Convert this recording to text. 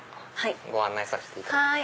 ご案内させていただきます。